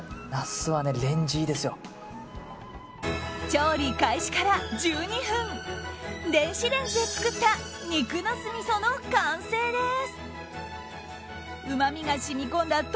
調理開始から１２分電子レンジで作った肉ナス味噌の完成です！